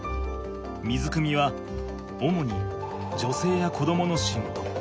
水くみは主に女性や子どもの仕事。